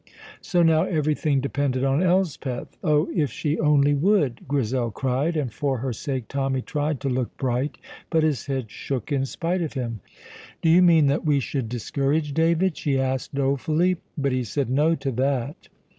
So now everything depended on Elspeth. "Oh, if she only would!" Grizel cried, and for her sake Tommy tried to look bright, but his head shook in spite of him. "Do you mean that we should discourage David?" she asked dolefully; but he said No to that.